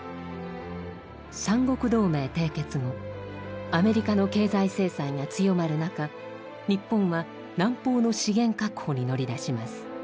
三国同盟締結後アメリカの経済制裁が強まる中日本は南方の資源確保に乗り出します。